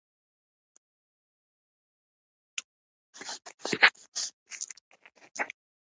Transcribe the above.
مینوفکچور پانګوالي د همکارۍ له ودې سره رامنځته شوه